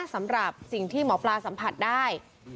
สำหรับสิ่งที่หมอปลาสัมผัสได้